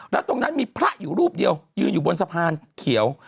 แล้วตรงนั้นมีพระอยู่รูปเดียวยืนอยู่บนสะพานเขียว